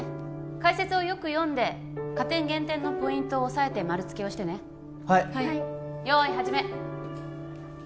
解説をよく読んで加点減点のポイントを押さえてマルつけをしてねはい用意始め